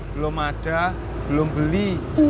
belum ada belum beli